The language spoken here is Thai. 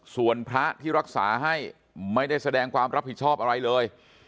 ส่วนพระที่รักษาให้ไม่ได้แสดงความรับผิดชอบอะไรเลย